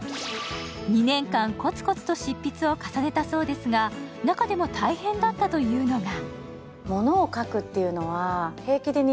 ２年間コツコツと執筆を進めたそうですが、中でも大変だったというのが。